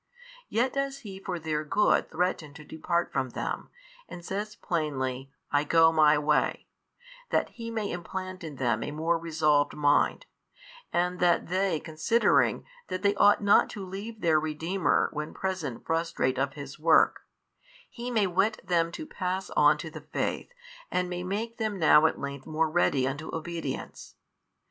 Yet does He for their good threaten to depart from them, and says plainly I go My way, that He may implant in them a more resolved mind, and that they considering that they ought not to leave their Redeemer when present frustrate of His work, He may whet them to pass on to the faith and may make them now at length more ready unto obedience.